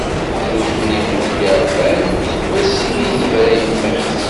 D nutni i t-id-irebban seg wasmi i d-tebra yemma-s.